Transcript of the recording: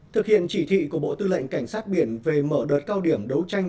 thực hiện chỉ thị của bộ tư lệnh cảnh sát biển về mở đợt cao điểm đấu tranh